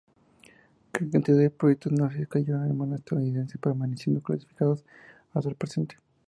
Gran cantidad de proyectos nazis cayeron en manos estadounidenses, permaneciendo clasificados hasta el presente.